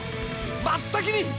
真っ先に！！